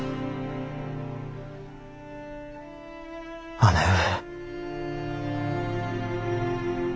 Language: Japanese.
姉上。